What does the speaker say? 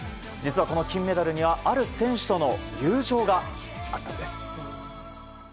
実は、この金メダルにはある選手との友情があったんです。